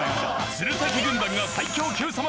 鶴崎軍団が最強 Ｑ さま！！